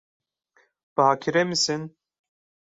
Bakire misin?